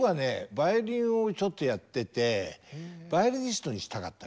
バイオリンをちょっとやっててバイオリニストにしたかったみたいだね。